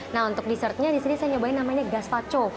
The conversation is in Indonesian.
nah untuk dessertnya di sini saya nyobain namanya gazpacho